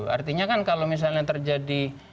artinya kan kalau misalnya terjadi